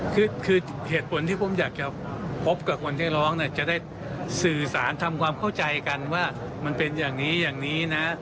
คือเหตุผลที่ผมอยากจะพบกับคนที่ร้องเนี่ยจะได้สื่อสารทำความเข้าใจกันว่ามันเป็นอย่างนี้อย่างนี้นะ